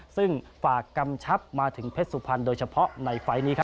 ซึ่งฝากกำชับมาถึงเพชรสุพรรณโดยเฉพาะในไฟล์นี้